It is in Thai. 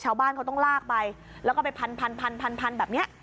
ชาวบ้านเขาต้องลากไปแล้วก็ไปพันพันพันพันแบบนี้